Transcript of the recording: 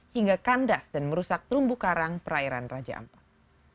hingga kandas dan merusak terumbu karang perairan raja ampat